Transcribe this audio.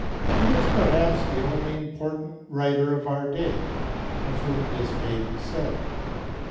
He is perhaps the only important writer of our day of whom this may be said.